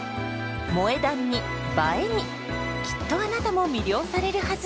「萌え断」に「映え」にきっとあなたも魅了されるはず！